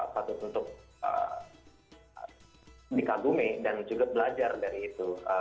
satu tentu dikagumi dan juga belajar dari itu